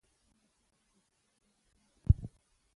افغانستان په هندوکش باندې غني هېواد دی.